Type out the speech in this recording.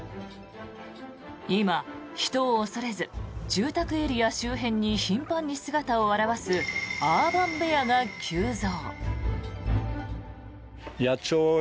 今、人を恐れず住宅エリア周辺に頻繁に姿を現すアーバンベアが急増。